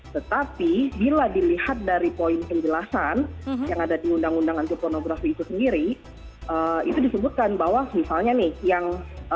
tetapi bila dilihat dari poin penjelasan yang ada di undang undang anti pornografi itu sendiri itu disebutkan bahwa misalnya nih yang